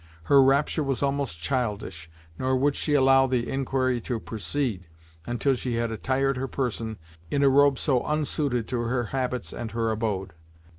Her rapture was almost childish, nor would she allow the inquiry to proceed, until she had attired her person in a robe so unsuited to her habits and her abode.